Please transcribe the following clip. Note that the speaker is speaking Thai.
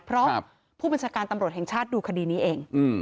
เพราะผู้บัญชาการตำรวจแห่งชาติดูคดีนี้เอง